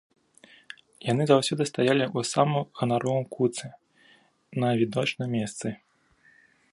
Яны заўсёды стаялі ў самым ганаровым куце на відочным месцы.